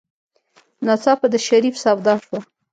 ناڅاپه د شريف سودا شوه.